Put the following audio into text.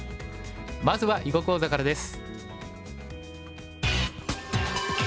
まずは囲碁講座からです。